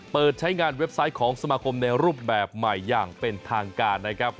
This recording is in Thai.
เปิดใช้งานเว็บไซต์ของสมาคมในรูปแบบใหม่อย่างเป็นทางการนะครับ